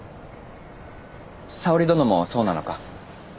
沙織殿もそうなのか？